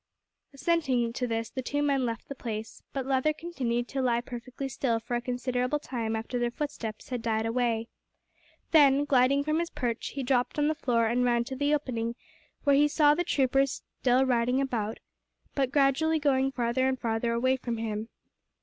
Assenting to this the two men left the place, but Leather continued to lie perfectly still for a considerable time after their footsteps had died away. Then, gliding from his perch, he dropped on the floor and ran to the opening where he saw the troopers still riding about, but gradually going farther and farther away from him.